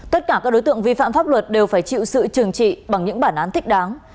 tất cả các đối tượng vi phạm pháp luật đều phải chịu sự trừng trị bằng những bản án thích đáng